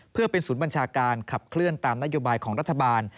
เพื่อเป็นศูนย์บัญชาการขับเคลื่อนตามนโยบายของรัฐบาล